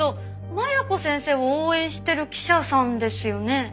麻弥子先生を応援してる記者さんですよね？